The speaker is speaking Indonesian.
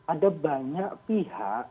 ada banyak pihak